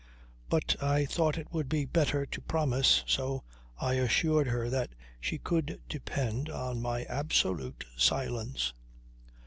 But I thought it would be better to promise. So I assured her that she could depend on my absolute silence.